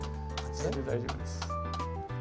大丈夫です。